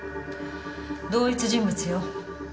同一人物よ。